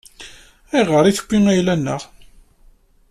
Ayɣer i tewwi ayla-nneɣ?